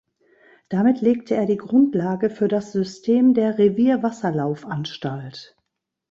Damit legte er die Grundlage für das System der Revierwasserlaufanstalt.